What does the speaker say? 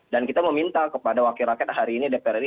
dan kita meminta kepada wakil rakyat hari ini dprri